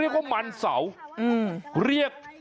ที่นี่มันเสาครับ